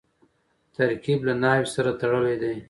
ترکیب له نحوي سره تړلی دئ.